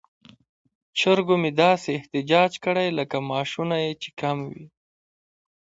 چرګو مې داسې احتجاج کړی لکه معاشونه یې چې کم وي.